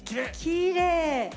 きれい！